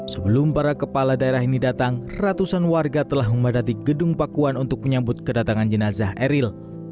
sebelum para kepala daerah ini datang ratusan warga telah memadati gedung pakuan untuk menyambut kedatangan jenazah eril